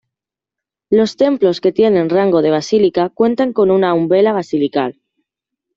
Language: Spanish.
Los templos que tienen rango de basílica cuentan con una umbela basilical.